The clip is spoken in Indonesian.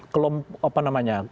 kelompok apa namanya